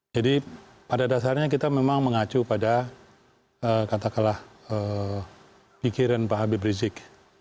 jadi pada dasarnya kita memang mengacu pada katakanlah pikiran pak habib rizik